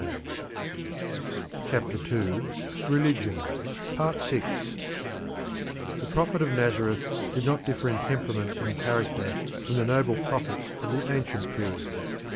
The Character of Jesus The Prophet of Nazareth did not differ in temperament and character from the noble prophets of the ancient period.